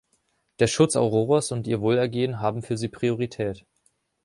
Der Schutz Auroras und ihr Wohlergehen haben für sie Priorität.